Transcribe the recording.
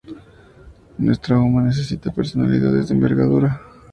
Nuestra umma necesita personalidades de envergadura.